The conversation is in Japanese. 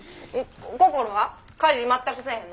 こころは家事全くせえへんの？